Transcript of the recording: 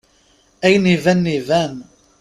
Ayen ibanen iban!